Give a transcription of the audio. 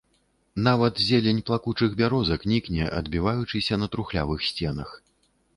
Нават зелень плакучых бярозак нікне, адбіваючыся на трухлявых сценах.